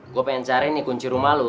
gua pengen cari nih kunci rumah lu